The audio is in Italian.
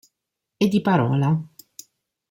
E di parola.